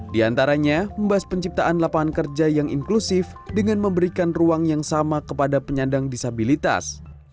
di antaranya membahas penciptaan lapangan kerja yang inklusif dengan memberikan ruang yang sama kepada penyandang disabilitas